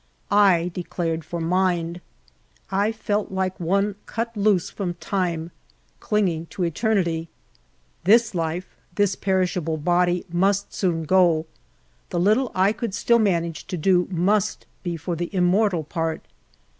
1 declared for mind. I felt like one cut loose from time clinging to eternity. This life, this perishable body, must soon go ; the little I could still manage to do must be for the immortal part.